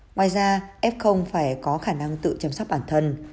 ngoài ra ép không phải có khả năng tự chăm sóc bản thân